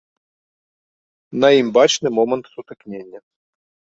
На ім бачны момант сутыкнення.